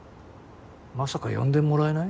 まさか呼んでもらえない？